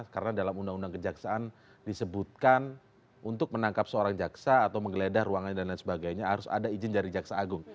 karena dalam undang undang kejaksaan disebutkan untuk menangkap seorang jaksa atau menggeledah ruangannya dan lain sebagainya harus ada izin dari jaksa agung